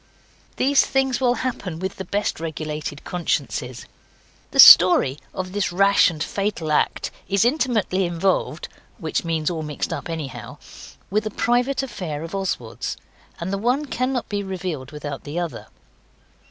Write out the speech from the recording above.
These things will happen with the best regulated consciences. The story of this rash and fatal act is intimately involved which means all mixed up anyhow with a private affair of Oswald's, and the one cannot be revealed without the other.